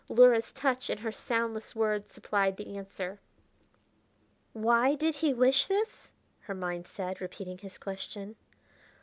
Luhra's touch and her soundless words supplied the answer. "Why did he wish this?" her mind said, repeating his question.